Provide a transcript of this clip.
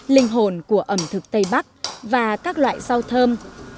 linh hồn của ẩm thực tây bắc và các loại rau thơm